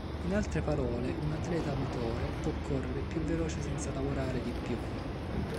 In altre parole, un atleta amatore può correre più veloce senza lavorare di più.